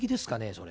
それ。